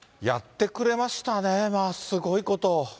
やってくれましたね、すごいことを。